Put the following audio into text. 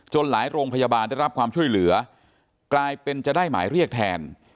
หลายโรงพยาบาลได้รับความช่วยเหลือกลายเป็นจะได้หมายเรียกแทน